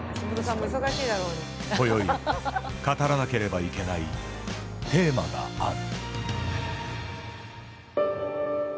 こよい、語らなければいけないテーマがある。